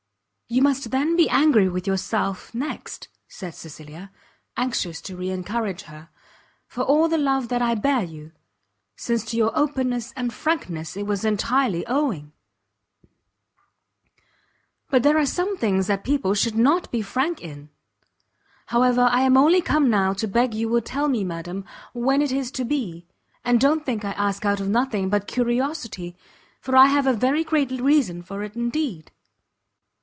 "You must then be angry with yourself, next," said Cecilia, anxious to re encourage her, "for all the love that I bear you; since to your openness and frankness it was entirely owing." "But there are some things that people should not be frank in; however, I am only come now to beg you will tell me, madam, when it is to be; and don't think I ask out of nothing but curiosity, for I have a very great reason for it indeed."